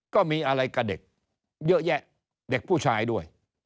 ก็มีอะไรกับเด็กเยอะแยะเด็กผู้ชายด้วย